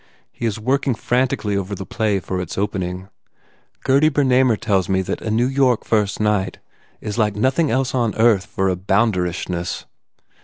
He is working frantically over the play for its opening. Gurdy Bernamer tells me that a New York first night is like nothing else on earth for bounderish ness.